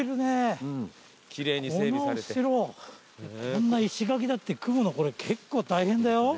こんな石垣だって組むのこれ結構大変だよ。